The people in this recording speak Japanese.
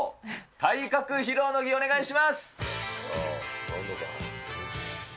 体格披露の儀、お願いします。